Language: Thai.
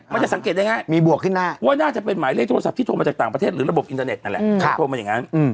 มันจะสังเกตได้ง่ายมีบวกขึ้นได้ว่าน่าจะเป็นหมายเลขโทรศัพท์ที่โทรมาจากต่างประเทศหรือระบบอินเทอร์เน็ตนั่นแหละเขาโทรมาอย่างนั้น